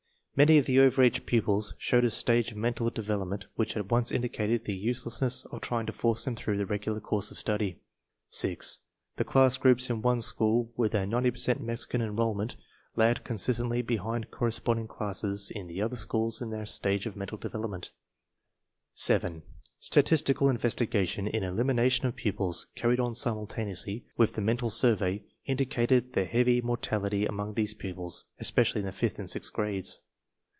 Many of the over age pupils showed a stage of mental development which at once indicated the use lessness of trying to force them through the regular course of study. 6. The class groups in one school with a 90 per cent Mexican enrollment lagged consistently behind corre sponding classes in the other schools in their stage of mental development. 7. Statistical investigation in elimination of pupils, carried on simultaneously with the mental survey, indi cated the heavy mortality among these pupils, espe cially in the fifth and sixth grades.